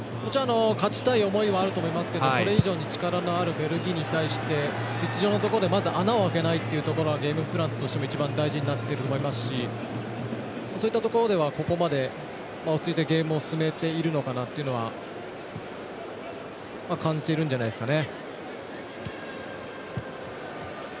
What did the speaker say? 勝ちたい思いはあると思いますけどそれ以上に力のあるベルギーに対してピッチ上のところで穴を開けないというのがゲームプランとしても一番大事になってくると思いますしそういったところではここまで落ち着いてゲームを進めているのかなというのは感じているんじゃないですかね。